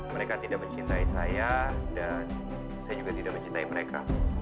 mereka tidak mencintai saya dan saya juga tidak mencintai mereka